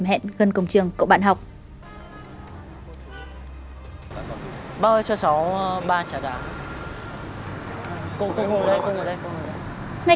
cho tôi xem chú minh thường này